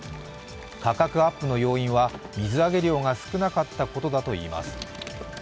価格アップの要因は水揚げ量が少なかったことだといいます。